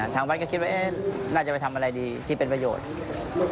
ทางวัดก็คิดว่าน่าจะไปทำอะไรดีที่เป็นประโยชน์